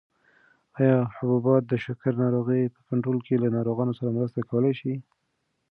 ایا حبوبات د شکرې ناروغۍ په کنټرول کې له ناروغانو سره مرسته کولای شي؟